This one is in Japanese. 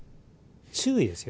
注意ですよね。